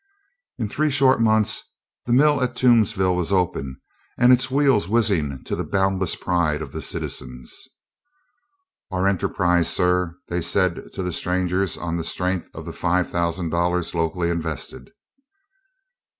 In three short months the mill at Toomsville was open and its wheels whizzing to the boundless pride of the citizens. "Our enterprise, sir!" they said to the strangers on the strength of the five thousand dollars locally invested.